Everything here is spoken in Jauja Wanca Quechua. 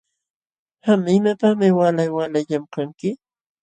Qam ¿imapaqmi waalay waalay llamkanki?